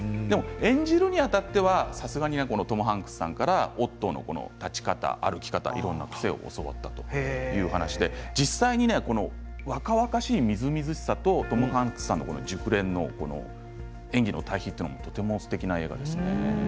演じるにあたってはさすがにトム・ハンクスさんからオットーの立ち方、歩き方癖などを教わったということで実際に若々しいみずみずしさとトム・ハンクスさんの熟練の演技の対比というのがとてもすてきな映画ですね。